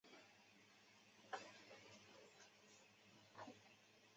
南德等即如此得名。